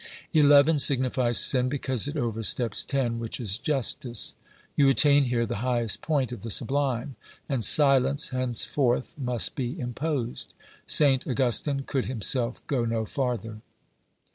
Eleven signifies sin, because it oversteps ten, which is justice. You attain here the highest point of the sublime, and silence henceforth must be imposed ; Saint Augustine could him self go no farther.